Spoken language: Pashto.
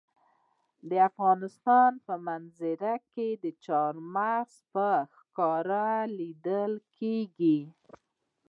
د افغانستان په منظره کې چار مغز په ښکاره لیدل کېږي.